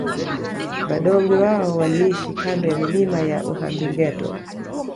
Vadongwe wao waliishi kando ya milima ya Uhambingeto